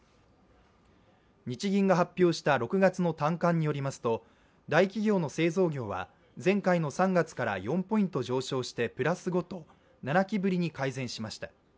日銀が発表した６月の短観によりますと大企業の製造業は、前回の３月から４ポイント上昇して、プラス５と７期ぶりに改善しました。